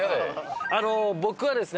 あの僕はですね